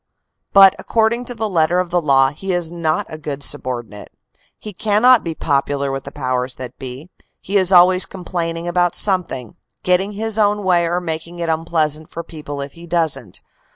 But according to the letter of the law, he is not a good subordinate. He cannot be popular with the powers that be; he is always complaining about something; getting his own way or making it unpleasant for people if he doesn t.